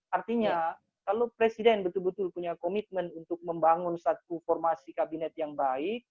artinya kalau presiden betul betul punya komitmen untuk membangun satu formasi kabinet yang baik